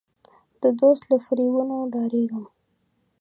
د دوست له فریبونو ډارېږم.